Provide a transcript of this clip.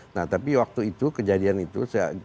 nah tapi waktu itu kejadian itu